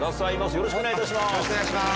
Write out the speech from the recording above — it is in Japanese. よろしくお願いします。